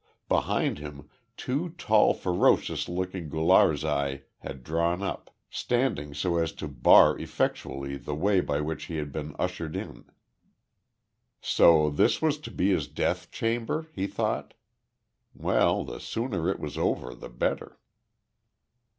Behind him, two tall, ferocious looking Gularzai had drawn up, standing so as to bar effectually the way by which he had been ushered in. So this was to be his death chamber, he thought? Well, the sooner it was over the better.